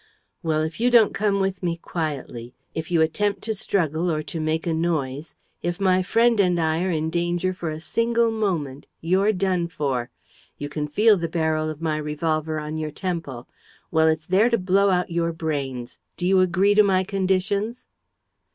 Well, if you don't come with me quietly, if you attempt to struggle or to make a noise, if my friend and I are in danger for a single moment, you're done for. You can feel the barrel of my revolver on your temple: Well, it's there to blow out your brains. Do you agree to my conditions?"